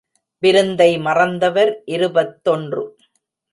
விருந்தை மறந்தவர் இருபத்தொன்று.